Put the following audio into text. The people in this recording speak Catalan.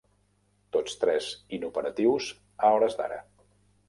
Tots tres inoperatius a hores d'ara.